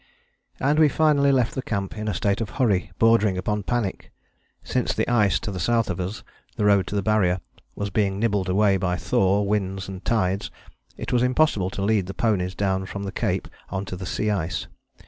And we finally left the camp in a state of hurry bordering upon panic. Since the ice to the south of us, the road to the Barrier, was being nibbled away by thaw, winds and tides, it was impossible to lead the ponies down from the Cape on to the sea ice.